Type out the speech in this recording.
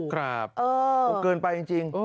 ครับผมเกินไปจริง